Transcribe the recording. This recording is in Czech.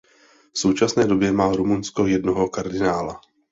V současné době má Rumunsko jednoho kardinála.